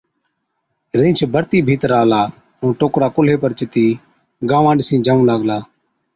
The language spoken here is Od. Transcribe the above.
رِينڇ بڙتِي ڀِيتر آلا ائُون ٽوڪرا ڪُلهي پر چتِي گانوان ڏِسِين جائُون لاگلا۔